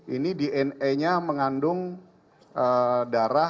ini dna nya mengandung darah